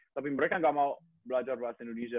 tapi mereka gak mau belajar bahasa indonesia